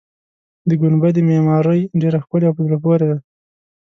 د ګنبدې معمارۍ ډېره ښکلې او په زړه پورې ده.